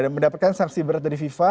mendapatkan sanksi berat dari fifa